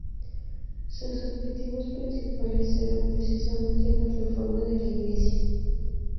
Sus objetivos principales eran precisamente la reforma de la Iglesia.